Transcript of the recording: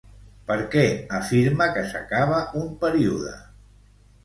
Per què afirma que s'acaba un període?